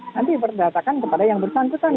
nanti diperdatakan kepada yang bersantutan